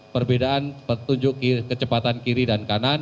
perbedaan petunjuk kecepatan kiri dan kanan